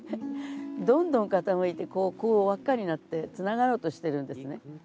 どんどん傾いてこうこう輪っかになってつながろうとしてるんですね。